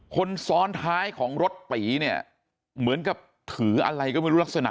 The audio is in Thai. คนซ้อนท้ายของรถตีเนี่ยเหมือนกับถืออะไรก็ไม่รู้ลักษณะ